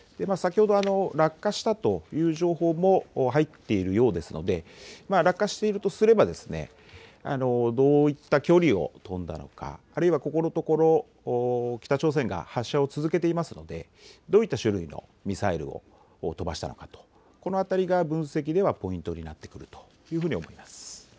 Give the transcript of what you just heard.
先ほど落下したという情報も入っているようですので落下しているとすればどういった距離を飛んだのか、あるいは、ここのところ北朝鮮が発射を続けていますのでどういった種類のミサイルを飛ばしたのか、この辺りが分析ではポイントになってくるというふうに思います。